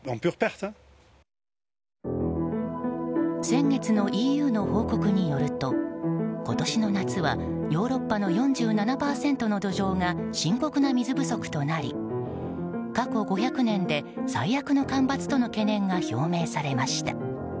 先月のＥＵの報告によると今年の夏はヨーロッパの４７％の土壌が深刻な水不足となり過去５００年で最悪の干ばつとの懸念が表明されました。